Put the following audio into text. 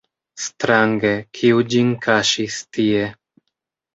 Strange, kiu ĝin kaŝis tie?